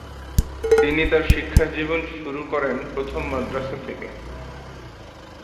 তিনি তার শিক্ষাজীবন শুরু করেন প্রথম মাদ্রাসা থেকে।